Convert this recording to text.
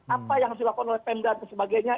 apa yang harus dilakukan oleh pemda dan sebagainya